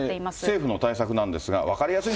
政府の対策なんですが、分かりやすい。